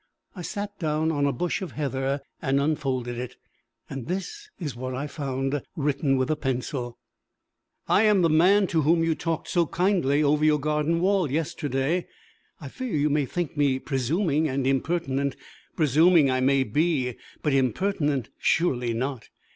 I sat down on a bush of heather, and unfolded it. This is what I found, written with a pencil: "I am the man to whom you talked so kindly over your garden wall yesterday. I fear you may think me presuming and impertinent. Presuming I may be, but impertinent, surely not!